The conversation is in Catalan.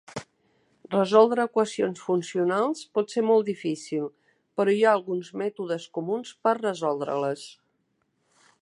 Resoldre equacions funcionals pot ser molt difícil però hi ha alguns mètodes comuns per resoldre-les.